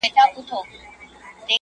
زما لېونۍ و ماته ډېر څه وايي بد څه وايي~